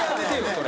それ。